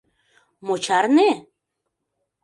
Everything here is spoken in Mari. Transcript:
— Мо чарне?!